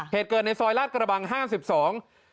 เหตุเกิดในซอยลาดกระบังห้าสิบสามเมษาครับค่ะ